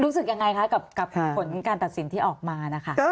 รู้สึกยังไงคะกับผลการตัดสินที่ออกมานะคะ